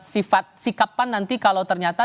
sifat sikapan nanti kalau ternyata